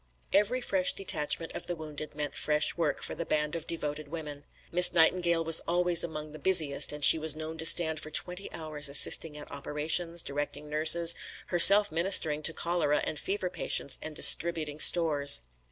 Every fresh detachment of the wounded meant fresh work for the band of devoted women. Miss Nightingale was always among the busiest and she was known to stand for twenty hours assisting at operations, directing nurses, herself ministering to cholera and fever patients and distributing stores.